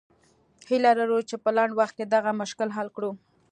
هیله لرو چې په لنډ وخت کې دغه مشکل حل کړو.